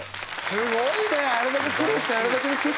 すごいね。